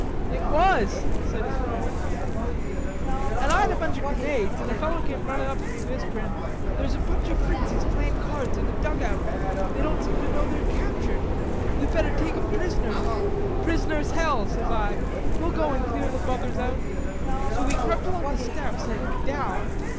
"It was!" said his friend. "An' I had a bunch of grenades an' a feller came runnin' up to me, whisperin', 'There's a bunch of Fritzies playin' cards in a dugout. They don't seem to know they're captured. We'd better take 'em pris'ners!" "'Pris'ners, hell,' says I, 'We'll go and clear the buggars out.' So we crept along to the steps and looked down....